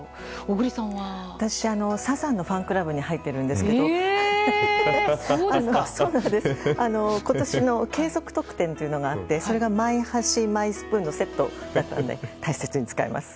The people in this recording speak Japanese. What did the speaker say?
私はサザンのファンクラブに入っているんですが今年の継続特典というのがあってそれがマイ箸とマイスプーンのセットだったので大切に使います。